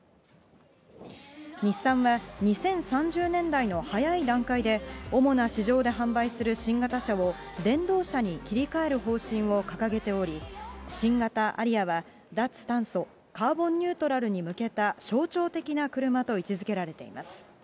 日産は２０３０年代の早い段階で、主な市場で販売する新型車を電動車に切り替える方針を掲げており、新型アリアは、脱炭素、カーボンニュートラルに向けた象徴的な車と位置づけられています。